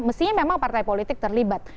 mestinya memang partai politik terlibat